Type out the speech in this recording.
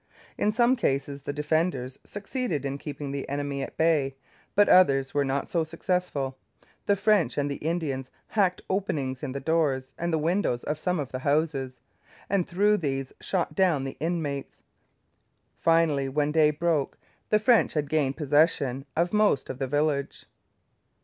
In some cases the defenders succeeded in keeping the enemy at bay; but others were not so successful. The French and the Indians, hacked openings in the doors and the windows of some of the houses, and through these shot down the inmates. Finally, when day broke, the French had gained possession of most of the village.